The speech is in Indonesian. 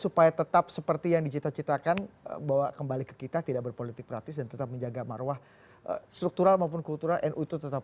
supaya tetap seperti yang dicita citakan bahwa kembali ke kita tidak berpolitik praktis dan tetap menjaga marwah struktural maupun kultural nu itu tetap